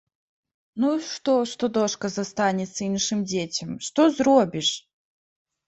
Ну і што, што дошка застанецца іншым дзецям, што зробіш?